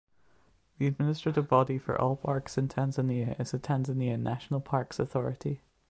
The administrative body for all parks in Tanzania is the Tanzania National Parks Authority.